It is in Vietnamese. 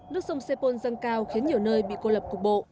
nước sông sepol dâng cao khiến nhiều nơi bị cô lập cục bộ